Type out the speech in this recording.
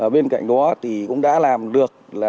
bên cạnh đó thì cũng đã làm được